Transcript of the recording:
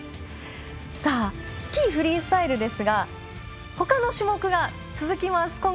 スキーフリースタイルほかの種目が続きます。